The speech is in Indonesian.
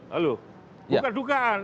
lalu bukan dugaan